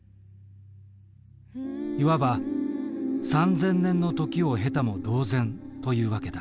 いわば３，０００年の時を経たも同然という訳だ。